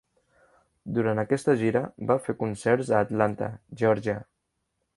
Durant aquesta gira, va fer concerts a Atlanta, Geòrgia.